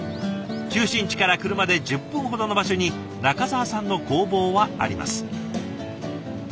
中心地から車で１０分ほどの場所に仲澤さんの工房はあります。